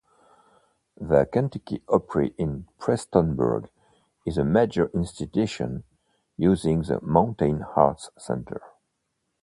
The Kentucky Opry in Prestonsburg is a major institution, using the Mountain Arts Center.